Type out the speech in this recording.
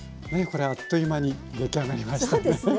これはあっという間に出来上がりましたね。